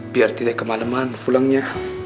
biar tidak kemaleman pulangnya